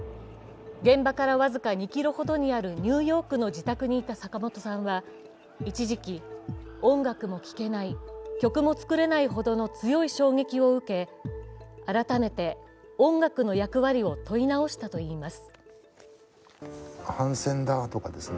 現場から僅か２ｋｍほどにあるニューヨークの自宅にいた坂本さんは一時期、音楽も聴けない、曲も作れないほどの強い衝撃を受け、改めて音楽の役割を問い直したといいます。